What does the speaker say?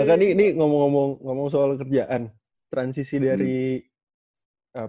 mbak ghani ini ngomong ngomong soal kerjaan transisi dari apa